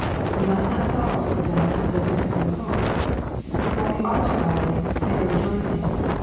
We must not sorrow for them as those who have no hope. While we are sorrow ing they are rejoicing.